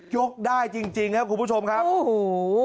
ได้จริงจริงครับคุณผู้ชมครับโอ้โห